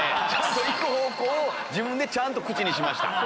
行く方向を自分でちゃんと口にしました。